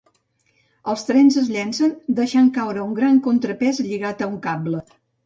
Els trens es llencen deixant caure un gran contrapès lligat a un cable.